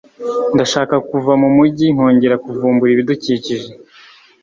ndashaka kuva mu mujyi nkongera kuvumbura ibidukikije.